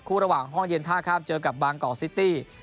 ระหว่างห้องเย็นท่าข้ามเจอกับบางกอกซิตี้